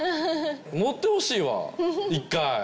乗ってほしいわ一回！